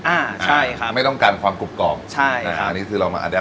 อ่าใช่ครับไม่ต้องการความกลุ่มกล่องใช่ครับอันนี้คือเรามา